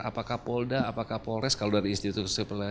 apakah polda apakah polres kalau dari institusi pemerintah